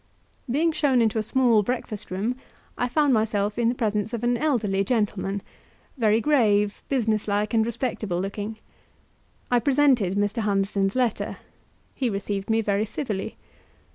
Being shown into a small breakfast room, I found myself in the presence of an elderly gentleman very grave, business like, and respectable looking. I presented Mr. Hunsden's letter; he received me very civilly.